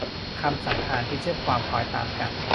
คำสันธานที่เชื่อมความคล้อยตามกัน